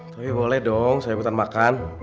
tapi boleh dong saya hutan makan